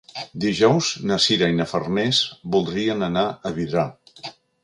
Dijous na Sira i na Farners voldrien anar a Vidrà.